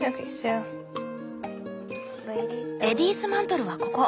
レディースマントルはここ。